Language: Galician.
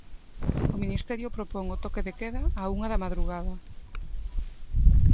O Ministerio propón o toque de queda á unha da madrugada.